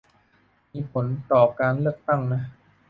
มีผลต่อผลเลือกตั้งนะ